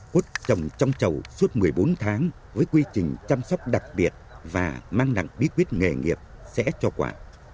quất trồng trong chậu suốt một mươi bốn tháng với quy trình chăm sóc đặc biệt và mang nặng bí quyết nghề nghiệp sẽ cho quả